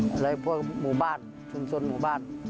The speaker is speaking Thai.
อะไรพวกหมู่บ้านชุมชนหมู่บ้าน